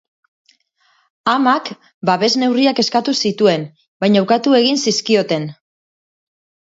Amak babes neurriak eskatu zituen, baina ukatu egin zizkioten.